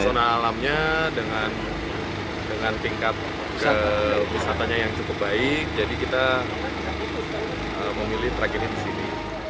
sona alamnya dengan tingkat kewisatanya yang cukup baik jadi kita memilih terakhir ini di sini